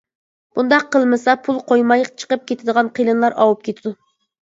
بۇنداق قىلمىسا پۇل قويماي چىقىپ كېتىدىغان قېلىنلار ئاۋۇپ كېتىدۇ.